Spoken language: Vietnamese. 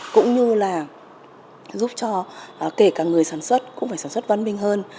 cũng như là giúp cho kể cả người sản xuất cũng phải sản xuất văn minh hơn